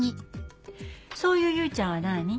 そういう唯ちゃんは何？